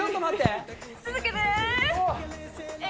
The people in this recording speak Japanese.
続けて。